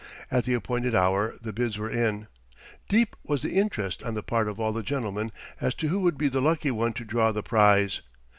At the appointed hour the bids were in. Deep was the interest on the part of all the gentlemen as to who would be the lucky one to draw the prize.